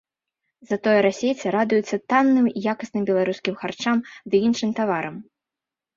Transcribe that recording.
Затое расейцы радуюцца танным і якасным беларускім харчам ды іншым таварам.